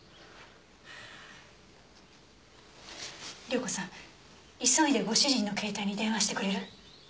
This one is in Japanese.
涼子さん急いでご主人の携帯に電話してくれる？